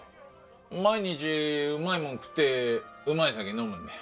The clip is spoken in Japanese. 毎日うまいもん食ってうまい酒飲むんだよ。